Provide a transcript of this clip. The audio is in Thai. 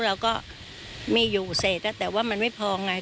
เราก็มีอยู่เศษแต่ว่ามันไม่พอไง